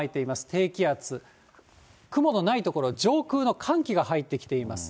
低気圧、雲のない所、上空の寒気が入ってきています。